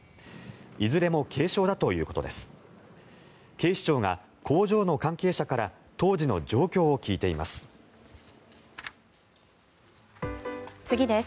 いずれも軽傷だということです。